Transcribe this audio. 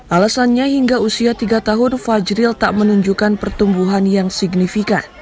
alasannya hingga usia tiga tahun fajril tak menunjukkan pertumbuhan yang signifikan